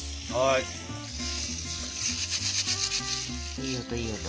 いい音いい音。